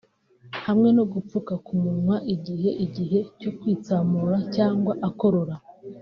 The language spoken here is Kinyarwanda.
hamwe no gupfuka ku munwa igihe igihe cyo kwitsamura cyangwa akorora